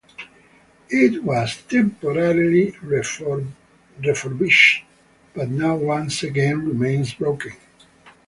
It was temporarily refurbished, but now once again remains broken.